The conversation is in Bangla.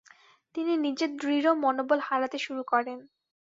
তিনি নিজের দৃঢ় মনোবল হারাতে শুরু করেন।